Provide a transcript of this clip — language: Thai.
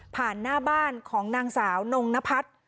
ผ่านหน้าบ้านของนางสาวนงนะพัด